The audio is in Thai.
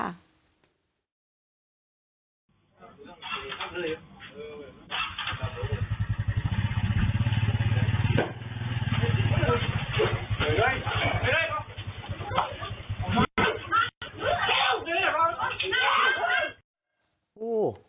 ไม่ได้ไม่ได้